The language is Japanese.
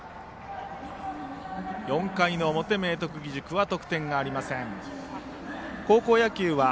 ４回の表、明徳義塾は得点がありません。